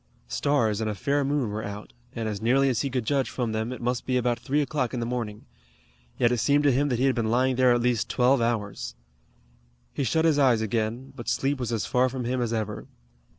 Stars and a fair moon were out, and as nearly as he could judge from them it must be about three o'clock in the morning. Yet it seemed to him that he had been lying there at least twelve hours. He shut his eyes again, but sleep was as far from him as ever.